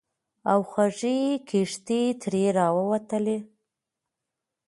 او خوږې کیښتې ترې راووتلې.